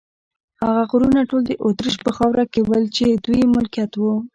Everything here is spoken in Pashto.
هغه غرونه ټول د اتریش په خاوره کې ول، چې د دوی ملکیت و.